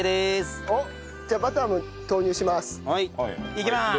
いきまーす。